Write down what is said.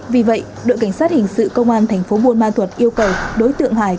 vì vậy đội cảnh sát hình sự công an tp buôn ma thuật yêu cầu đối tượng hải